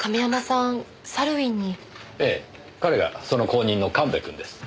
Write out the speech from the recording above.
ええ彼がその後任の神戸君です。